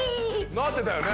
なってたよね？」